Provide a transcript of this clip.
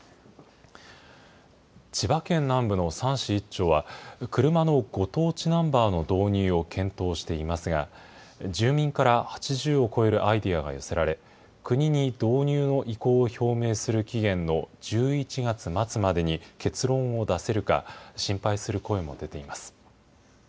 千葉県南部の３市１町は、車のご当地ナンバーの導入を検討していますが、住民から８０を超えるアイデアが寄せられ、国に導入の意向を表明する期限の１１月末までに結論を出せるか、心配する声も出ています。